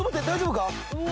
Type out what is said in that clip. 大丈夫か？